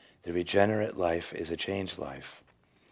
1 "The regenerate life is a changed life